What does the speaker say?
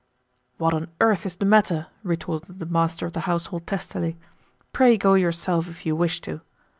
"What on earth is the matter?" retorted the master of the household testily. "Pray go yourself if you wish to."